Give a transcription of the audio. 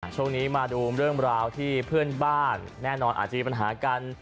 ช่วงนี้มาดูเรื่องราวที่เพื่อนบ้านแน่นอนอาจจะมีปัญหากัน